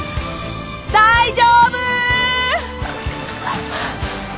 大丈夫？